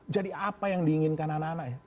jadi apa yang diinginkan anak anaknya